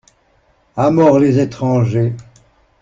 A mort les étrangers!